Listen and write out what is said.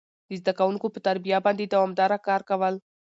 د زده کوونکو پر تربيه باندي دوامداره کار کول،